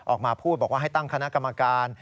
ออกมาพูดบอกว่าให้ตั้งคณะกรรมการ